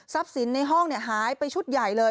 สินในห้องหายไปชุดใหญ่เลย